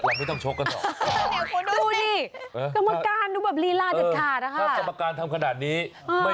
เราไม่ชกกันดีกว่า